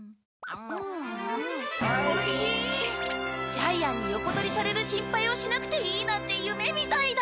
ジャイアンに横取りされる心配をしなくていいなんて夢みたいだ！